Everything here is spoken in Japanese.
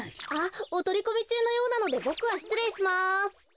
おとりこみちゅうのようなのでボクはしつれいします。